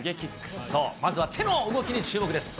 そう、まずは手の動きに注目です。